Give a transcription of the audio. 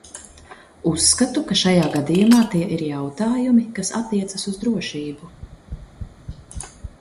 Uzskatu, ka šajā gadījumā tie ir jautājumi, kas attiecas uz drošību.